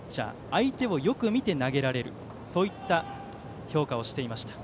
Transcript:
相手をよく見て投げられるという評価をしていました。